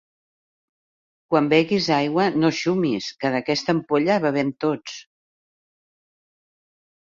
Quan beguis aigua no xumis, que d'aquesta ampolla bevem tots.